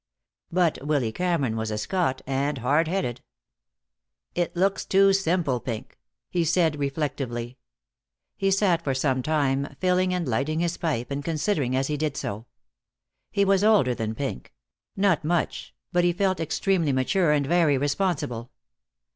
But Willy Cameron was a Scot, and hard headed. "It looks too simple, Pink," he said reflectively. He sat for some time, filling and lighting his pipe, and considering as he did so. He was older than Pink; not much, but he felt extremely mature and very responsible.